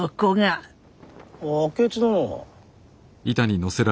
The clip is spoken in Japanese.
あ明智殿。